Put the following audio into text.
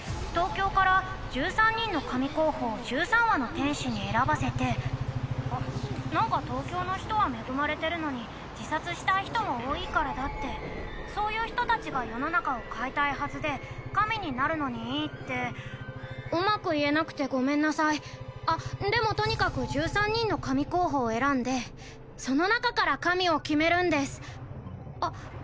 東京から１３人の神候補を１３羽の天使に選ばせてあっ何か東京の人は恵まれてるのに自殺したい人も多いからだってそういう人達が世の中を変えたいはずで神になるのにいいってうまく言えなくてごめんなさいあっでもとにかく１３人の神候補を選んでその中から神を決めるんですあっ